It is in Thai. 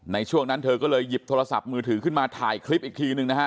ในช่วงนั้นเธอก็เลยหยิบโทรศัพท์มือถือขึ้นมาถ่ายคลิปอีกทีหนึ่งนะฮะ